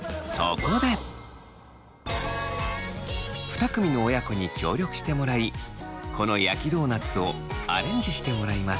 ２組の親子に協力してもらいこの焼きドーナツをアレンジしてもらいます。